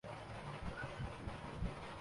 ان سے ایک ہی سوال کرتا ہے